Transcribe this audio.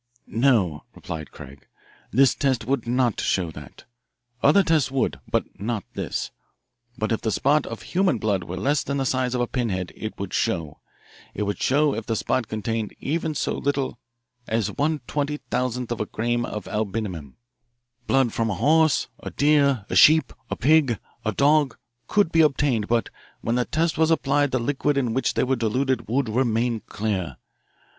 "No," replied Craig, "this test would not show that. Other tests would, but not this. But if the spot of human blood were less than the size of a pin head, it would show it would show if the spot contained even so little as one twenty thousandth of a gram of albumin. Blood from a horse, a deer, a sheep, a pig, a dog, could be obtained, but when the test was applied the liquid in which they were diluted would remain clear.